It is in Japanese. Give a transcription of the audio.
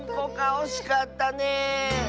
おしかったねえ！